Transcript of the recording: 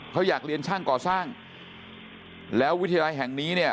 เขาอยากเรียนช่างก่อสร้างแล้ววิทยาลัยแห่งนี้เนี่ย